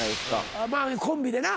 コンビでな。